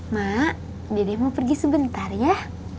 mak dede mau pergi sebentar ya